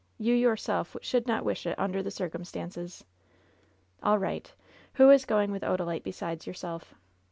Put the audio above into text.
You your self should not wish it under the circumstances." "All right. Who is going with Odalite besides your self?"